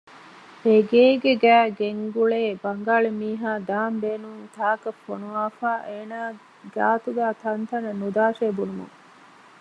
އެގޭގެގައި ގެންގުޅޭ ބަންގާޅި މީހާ ދާން ބޭނުން ތާކަށް ފޮނުވާފައި އޭނަ ގާތުގައި ތަންތަނަށް ނުދާށޭ ބުނުމުން